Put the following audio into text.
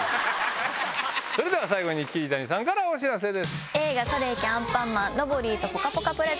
それでは最後に桐谷さんからお知らせです。